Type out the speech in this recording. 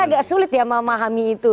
agak sulit ya memahami itu